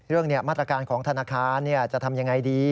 เรื่องมาตรการของธนาคารจะทำอย่างไรดี